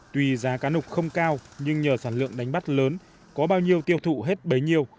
tuy giá cá nục không cao nhưng nhờ sản lượng đánh bắt lớn có bao nhiêu tiêu thụ hết bấy nhiêu